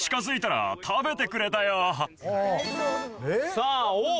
さあおっ！